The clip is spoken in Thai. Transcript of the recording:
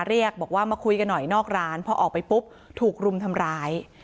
เรียกบอกว่ามาคุยกันหน่อยนอกร้านพอออกไปปุ๊บถูกรุมทำร้าย